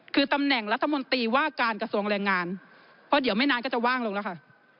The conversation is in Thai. คือตำแหน่งรัฐมนตรีว่าการกระทรวงแรงงานเพราะเดี๋ยวไม่นานก็จะว่างลงแล้วค่ะ